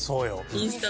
インスタ。